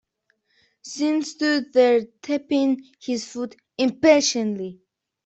Sean stood there tapping his foot impatiently.